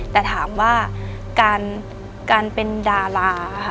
แต่ถามว่าการจะเป็นดารา